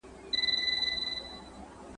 یا دولت وینو په خوب کي یا بری یا شهرتونه .